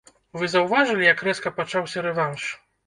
Вы заўважылі, як рэзка пачаўся рэванш?